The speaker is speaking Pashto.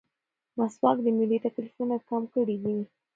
مسواک د معدې تکلیفونه کم کړي دي.